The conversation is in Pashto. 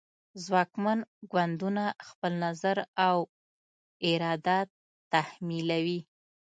ځواکمن ګوندونه خپل نظر او اراده تحمیلوي